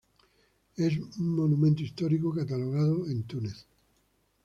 Es monumento histórico catalogado de Túnez.